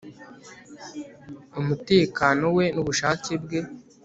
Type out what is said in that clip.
umutekano we nubushake bwe